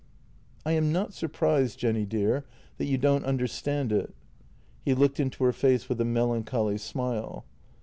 " I am not surprised, Jenny dear, that you don't understand it." He looked into her face with a melancholy smile.